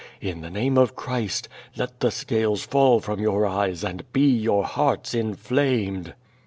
In the name of Christ, let the scales fall from your eyes, and be your hearts inflamed."